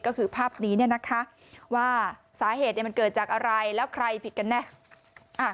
ก็คือภาพนี้เนี่ยนะคะว่าสาเหตุมันเกิดจากอะไรแล้วใครผิดกันแน่